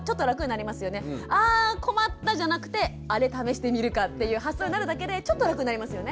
あ困ったじゃなくてあれ試してみるかっていう発想になるだけでちょっと楽になりますよね。